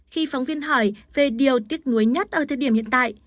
khi phóng viên hỏi về điều tiếc nuối nhất ở thời điểm hiện tại